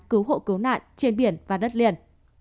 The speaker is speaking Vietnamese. cứu hộ cứu nạn trên biển và đất liền